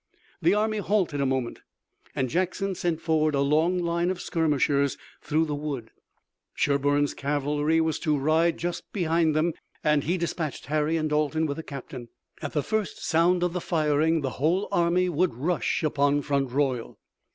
The army halted a moment and Jackson sent forward a long line of skirmishers through the wood. Sherburne's cavalry were to ride just behind them, and he dispatched Harry and Dalton with the captain. At the first sound of the firing the whole army would rush upon Front Royal.